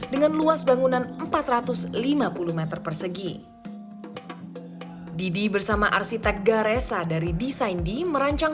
dengan luas bangunan empat ratus lima puluh m persegi didi bersama arsitek garesa dari desaindi merancang